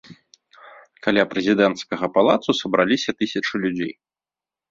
Каля прэзідэнцкага палацу сабраліся тысячы людзей.